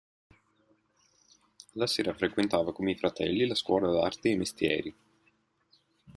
Alla sera frequentava come i fratelli, la scuola d'arte e mestieri.